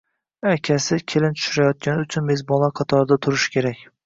akasi kelin tushirayotgani uchun mezbonlar qatorida turishi kerak